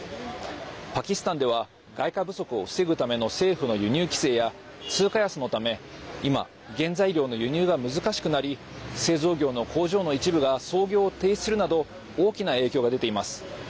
パキスタンでは外貨不足を防ぐための政府の輸入規制や通貨安のため、今原材料の輸入が難しくなり製造業の工場の一部が操業を停止するなど大きな影響が出ています。